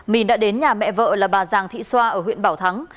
mình đã đến nhà mẹ vợ là bà giàng thị xoa ở huyện bảo thắng